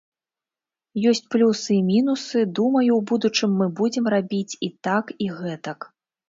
Ёсць плюсы і мінусы, думаю, у будучым мы будзем рабіць і так, і гэтак.